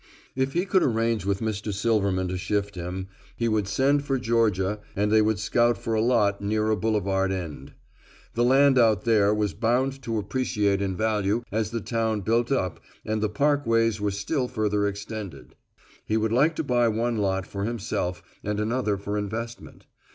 If he could arrange with Mr. Silverman to shift him, he would send for Georgia and they would scout for a lot near a boulevard end. The land out there was bound to appreciate in value as the town built up and the parkways were still further extended. He would like to buy one lot for himself and another for investment.